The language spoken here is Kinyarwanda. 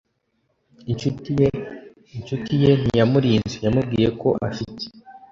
inshuti ye. incuti ye ntiyamurinze. yamubwiye ko afite